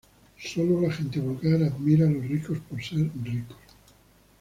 Sólo la gente vulgar admira a los ricos por ser ricos".